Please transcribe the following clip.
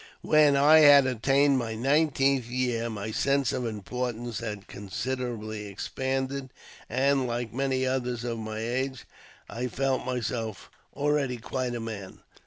When I had attained my nineteenth year, my sense of importance had considerably expanded, and, like many others of my age, I felt myself already quite a man.